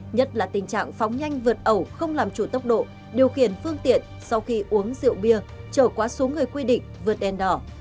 nhất là tình trạng phóng nhanh vượt ẩu không làm chủ tốc độ điều khiển phương tiện sau khi uống rượu bia trở quá số người quy định vượt đèn đỏ